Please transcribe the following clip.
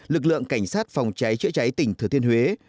lực lượng cảnh sát phòng cháy chữa cháy tỉnh thừa thiên huế